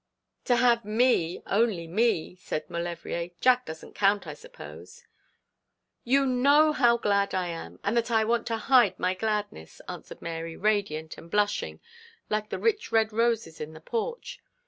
'To have me, only me,' said Maulevrier. 'Jack doesn't count, I suppose?' 'You know how glad I am, and that I want to hide my gladness,' answered Mary, radiant and blushing like the rich red roses in the porch.